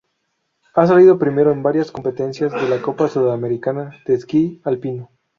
Ha salido primero en varias competencias de la copa sudamericana de esquí alpino.